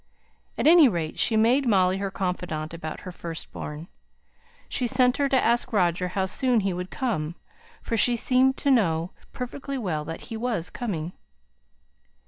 At any rate, she made Molly her confidante about her first born. She sent her to ask Roger how soon he would come, for she seemed to know perfectly well that he was coming.